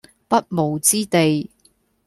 不毛之地